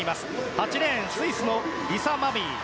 ８レーン、スイスのリサ・マミー。